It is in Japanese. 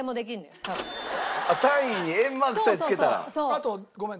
あとごめん。